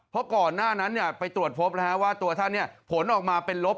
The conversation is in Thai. เพราะก่อนหน้านั้นไปตรวจพบว่าตัวท่านผลออกมาเป็นลบ